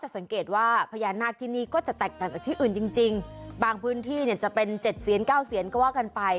สังเกตว่าพญานาคที่นี่ก็จะแตกต่างจากที่อื่นจริงบางพื้นที่เนี่ยจะเป็น๗เสียนเก้าเซียนก็ว่ากันไป